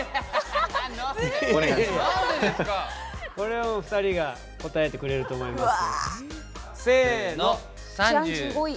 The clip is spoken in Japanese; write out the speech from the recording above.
これはもう２人が答えてくれると思いますよ。